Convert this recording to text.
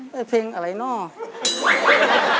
เพียงอะไรเนาะ